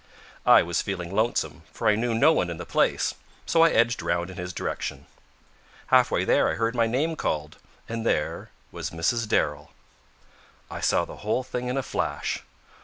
I was feeling lonesome, for I knew no one in the place, so I edged round in his direction. Halfway there I heard my name called, and there was Mrs. Darrell. I saw the whole thing in a flash.